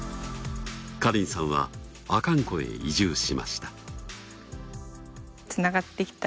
ＫＡＲＩＮさんは阿寒湖へ移住しました。